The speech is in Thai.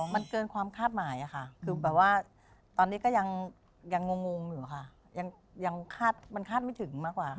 มันเกินความคาดหมายค่ะคือแบบว่าตอนนี้ก็ยังงงอยู่ค่ะยังคาดมันคาดไม่ถึงมากกว่าค่ะ